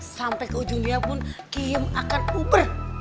sampai ke ujung dia pun kiem akan uber